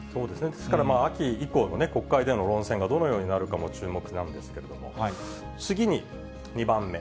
ですから、秋以降の国会での論戦がどのようになるかも注目なんですけれども、次に、２番目。